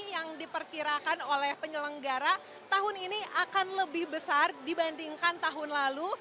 yang diperkirakan oleh penyelenggara tahun ini akan lebih besar dibandingkan tahun lalu